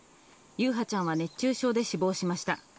優陽ちゃんは熱中症で死亡しました。